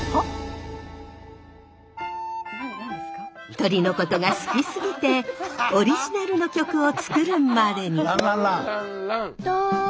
鳥のことが好きすぎてオリジナルの曲を作るまでに！